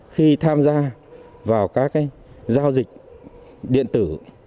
khi tham gia vào các giao dịch điện tử